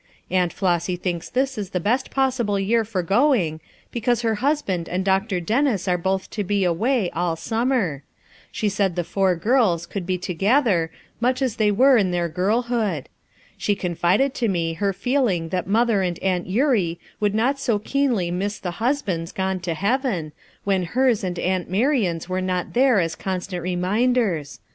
Aunt Flossy thinks this is the best possible year for going, because her hus band and Dr. Dennis are both to be away all summer; she said the four girls could he to gether, much as they were in their girlhood. She confided to me her feeling that Mother and FOUR MOTHERS AT CHAUTAUQUA 15 Aunt Eurie would not so keenly miss the ins bands gone to heaven, when hers and Aunt Mar ian 's were not there as constant reminders.